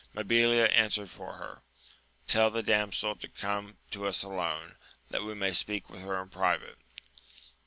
Mabilia answered for her : Tell the damsel to come to us alone, that we may speak with her in private.